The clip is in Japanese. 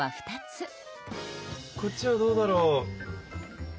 こっちはどうだろう？